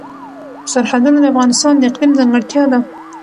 سرحدونه د افغانستان د اقلیم ځانګړتیا ده.